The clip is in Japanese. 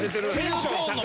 テンション高い。